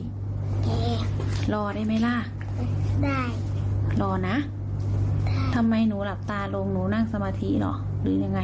พี่รอได้ไหมล่ะได้รอนะทำไมหนูหลับตาลงหนูนั่งสมาธิเหรอหรือยังไง